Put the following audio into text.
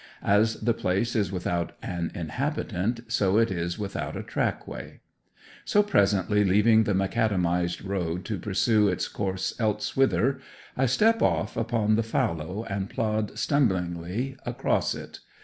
As the place is without an inhabitant, so it is without a trackway. So presently leaving the macadamized road to pursue its course elsewhither, I step off upon the fallow, and plod stumblingly across it.